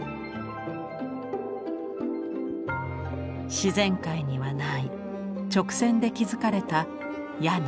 自然界にはない直線で築かれた屋根柱窓。